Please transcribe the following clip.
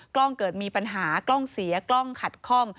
กล้องเกิดมีปัญหากล้องเสียกล้องขัดคล่อง